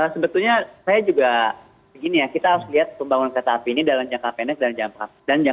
sebetulnya saya juga begini ya kita harus lihat pembangunan kereta api ini dalam jangka pendek dan jangka panjang